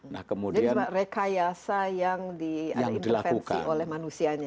jadi rekayasa yang dilakukan oleh manusianya